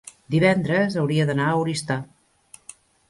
divendres hauria d'anar a Oristà.